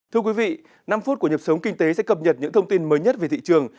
thưa quý vị năm phút của nhập sống kinh tế sẽ cập nhật những thông tin mới nhất về thị trường